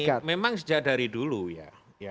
ya jadi begini memang sejak dari dulu ya